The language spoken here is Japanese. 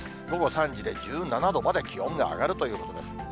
午後３時で１７度まで気温が上がるということです。